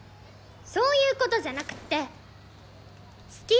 そういうことじゃなくて好き？